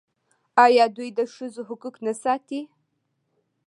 آیا دوی د ښځو حقوق نه ساتي؟